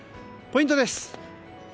ポイントです。